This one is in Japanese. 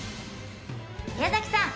宮崎さん